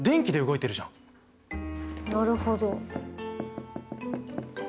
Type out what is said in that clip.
なるほど。